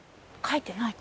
書いてない？